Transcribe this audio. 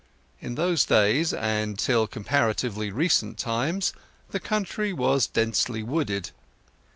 In those days, and till comparatively recent times, the country was densely wooded.